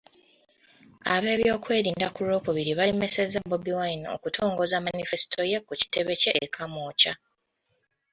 Ab'ebyokwerinda ku Lwokubiri baalemesezza Bobi Wine okutongoza manifesito ye ku kitebe kye e Kamwokya.